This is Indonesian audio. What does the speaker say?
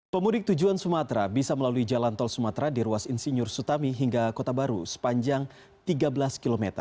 pemudik tujuan sumatera bisa melalui jalan tol sumatera di ruas insinyur sutami hingga kota baru sepanjang tiga belas km